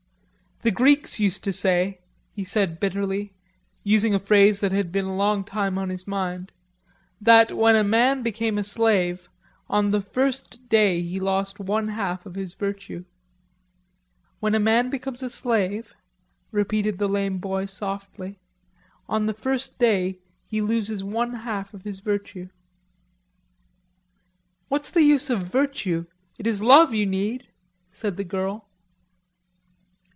"The Greeks used to say," he said bitterly, using as phrase that had been a long time on his mind, "that when a man became a slave, on the first day he lost one half of his virtue." "When a man becomes a slave," repeated the lame boy softly, "on the first day he loses one half of his virtue." "What's the use of virtue? It is love you need," said the girl.